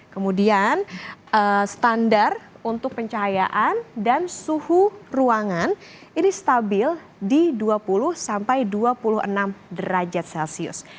kemudian standar untuk pencahayaan dan suhu ruangan ini stabil di dua puluh sampai dua puluh enam derajat celcius